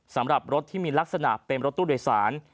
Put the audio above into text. สำหรับรถที่มีลักษณะเป็นรถตู้โดยสาร